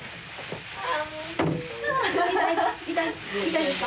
・痛いですか？